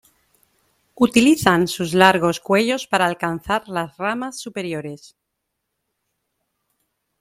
Utilizan sus largos cuellos para alcanzar las ramas superiores.